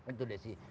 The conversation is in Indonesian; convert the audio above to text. itu deh sih